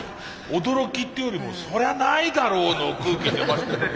驚きっていうよりもそりゃないだろうの空気。